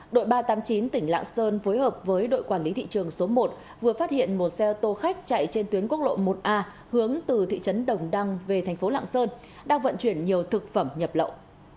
đội ba trăm tám mươi chín tỉnh lạng sơn phối hợp với đội quản lý thị trường số một vừa phát hiện một xe ô tô khách chạy trên tuyến quốc lộ một a hướng từ thị trấn đồng đăng về thành phố lạng sơn đang vận chuyển nhiều thực phẩm nhập lậu